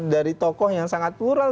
dari tokoh yang sangat plural